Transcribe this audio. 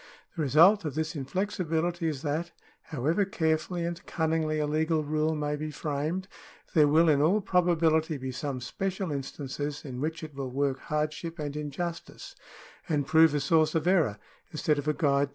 The result of this inflexi bility is that, however carefully and cunningly a legal rule may be framed, there will in all probability be some special instances in which it will work hardship and injustice, and prove a source of error instead of a guide to truth.